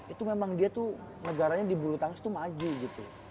itu memang dia tuh negaranya di bulu tangkis itu maju gitu